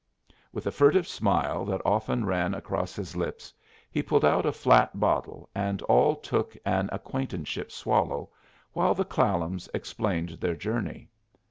With a furtive smile that often ran across his lips, he pulled out a flat bottle, and all took an acquaintanceship swallow, while the Clallams explained their journey.